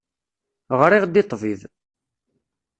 Ɣriɣ-d i ṭṭbib.